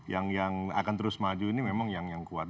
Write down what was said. yang akan terus maju ini memang yang kuat